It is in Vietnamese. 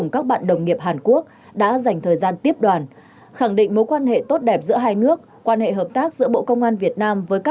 các đồng chí đều hết lòng hết sức